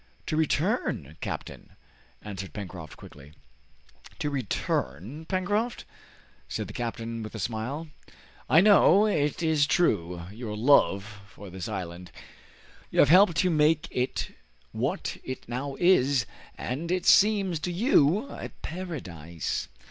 "To return, captain!" answered Pencroft quickly. "To return, Pencroft?" said the captain, with a smile. "I know, it is true, your love for this island. You have helped to make it what it now is, and it seems to you a paradise!"